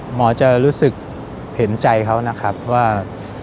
หมอจะรู้สึกเห็นใจเขานะครับว่า